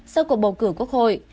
sau cuộc bầu cử quốc hội